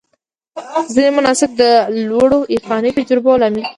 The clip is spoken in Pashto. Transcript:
ځینې مناسک د لوړو عرفاني تجربو لامل کېږي.